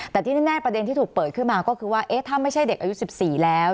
แต่ที่แน่ประเด็นที่ถูกเปิดขึ้นมาก็คือว่าถ้าไม่ใช่เด็กอายุ๑๔แล้ว